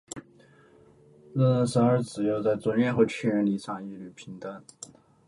人人生而自由，在尊严和权利上一律平等。